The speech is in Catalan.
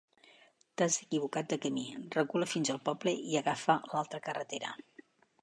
T'has equivocat de camí: recula fins al poble i agafa l'altra carretera.